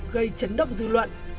gây chấn động dư luận